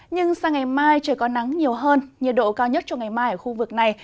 nhưng sang ngày mai trời có nắng nhiều hơn nhiệt độ cao nhất cho ngày mai ở khu vực này